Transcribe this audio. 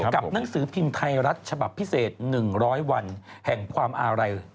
หนังสือพิมพ์ไทยรัฐฉบับพิเศษ๑๐๐วันแห่งความอาลัย